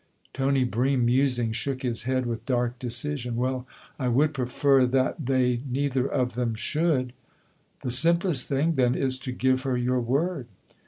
Tony Bream, musing, shook his head with dark decision. "Well, I would prefer that they neither of them should !"" The simplest thing, then, is to give her your word."